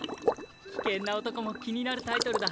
「キケンな男」も気になるタイトルだ。